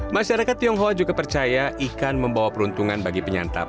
masyarakat tionghoa juga percaya ikan membawa peruntungan bagi penyantap